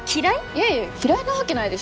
いやいや嫌いなわけないでしょ。